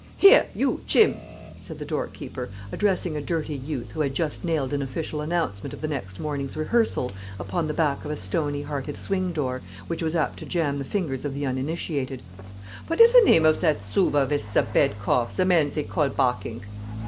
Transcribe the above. Here, you Chim," said the door keeper, addressing a dirty youth, who had just nailed an official announcement of the next morning's rehearsal upon the back of a stony hearted swing door, which was apt to jam the fingers of the uninitiated, "vot is ze name off zat zuber vith ze pad gough, ze man zay gall Parking."